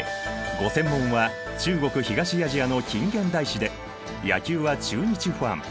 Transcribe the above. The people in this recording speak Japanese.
ご専門は中国・東アジアの近現代史で野球は中日ファン。